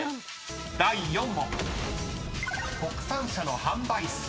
［第４問］